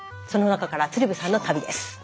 その中から鶴瓶さんの旅です。